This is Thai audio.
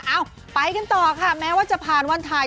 เอ้าไปกันต่อค่ะแม้ว่าจะผ่านวันถ่าย